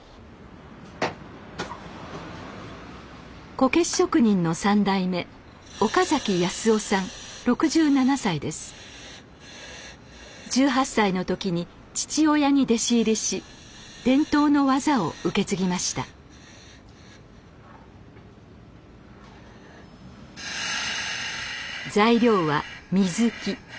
こけし職人の３代目１８歳の時に父親に弟子入りし伝統の技を受け継ぎました材料はミズキ。